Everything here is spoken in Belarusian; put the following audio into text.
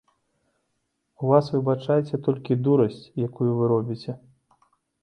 У вас, выбачайце, толькі дурасць, якую вы робіце.